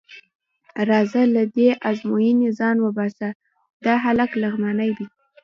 راځه له دې ازموینې ځان وباسه، دا هلک لغمانی دی.